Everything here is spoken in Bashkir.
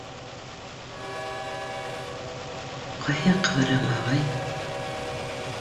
— Ҡайһы яҡҡа бараһың, ағай?